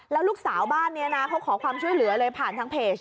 แล้วลูกสาวบ้านนี้นะเขาขอความช่วยเหลือเลยผ่านทางเพจ